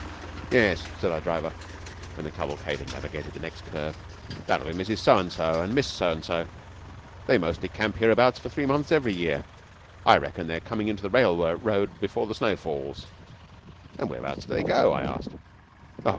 'Yes,' said our driver, when the cavalcade had navigated the next curve,' that'll be Mrs. So and So and Miss So and So. They mostly camp hereabout for three months every year. I reckon they're coming in to the railroad before the snow falls.' 'And whereabout do they go?' I asked.